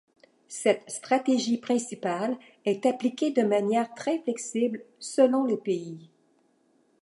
Cette stratégie principale est appliquée de manière très flexible selon les pays.